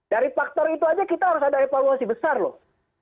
dari faktor itu aja kita harus ada evaluasi besar loh